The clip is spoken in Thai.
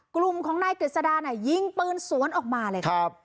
กลุ่มของนายกฤษดาน่ะยิงปืนสวนออกมาเลยครับ